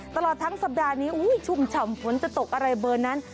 ตลอดทั้งสัปดาห์นี้ชุ่มฉ่ำฝนจะตกอะไรเบอร์นั้น